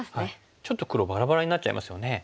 ちょっと黒バラバラになっちゃいますよね。